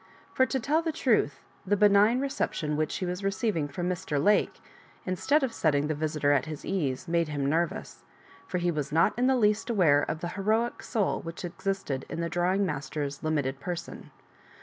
For, to tell the truth, the benign reception which he was receiving from Mr. Lake, instead of setting the visitor at his ease, made him nervous; for he was not in the least aware of the heroic soul which existed in the drawing master's limited person.